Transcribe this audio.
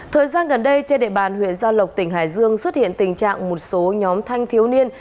thời gian gần đây trên địa bàn huyện gia lộc tỉnh hải dương xuất hiện tình trạng một số nhóm thanh thiếu niên